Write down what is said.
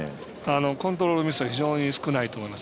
コントロールミスが非常に少ないと思います。